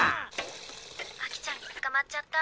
「アキちゃんにつかまっちゃった」